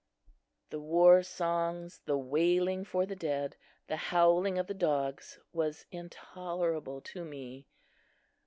The war songs, the wailing for the dead, the howling of the dogs was intolerable to me.